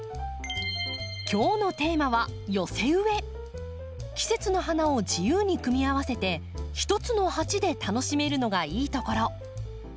今日のテーマは季節の花を自由に組み合わせて一つの鉢で楽しめるのがいいところ。